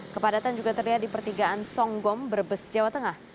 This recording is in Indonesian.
kepadatan juga terlihat di pertigaan songgom brebes jawa tengah